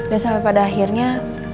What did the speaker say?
dan sampai pada akhirnya